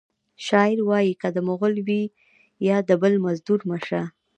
شاعر وایی که د مغل وي یا د بل مزدور مه شه